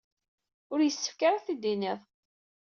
Ur yessefk ara ad t-id-tinid.